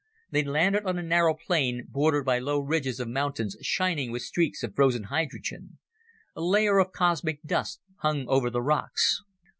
They landed on a narrow plain, bordered by low ridges of mountains shining with streaks of frozen hydrogen. A layer of cosmic dust hung over the rocks.